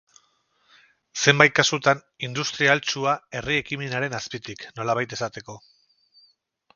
Zenbait kasutan industria ahaltsua herri ekimenaren azpitik, nolabait esateko.